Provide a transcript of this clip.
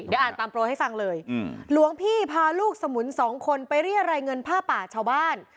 เดี๋ยวอ่านตามโปรยให้ฟังเลยหลวงพี่พาลูกสมุนสองคนไปเรียรายเงินผ้าป่าชาวบ้าน